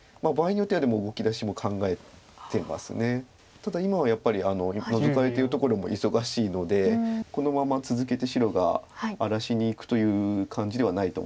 ただ今はやっぱりノゾかれてるところも忙しいのでこのまま続けて白が荒らしにいくという感じではないと思いますけれど。